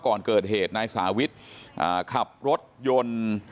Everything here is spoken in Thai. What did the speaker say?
ก่อนเกิดเหตุนายสาวิทขับรถยนต์